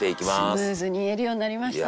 スムーズに言えるようになりましたね。